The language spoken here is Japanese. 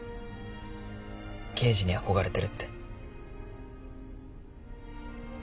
刑事に憧れてるって。